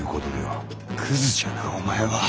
クズじゃなお前は。